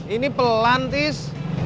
ini pelan tis